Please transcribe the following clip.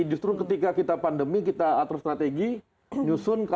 justru ketika kita pandemi kita atur strategi nyusun